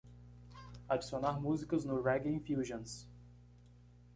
adicionar músicas no Reggae Infusions